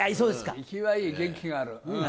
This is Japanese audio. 生きはいい、元気はある。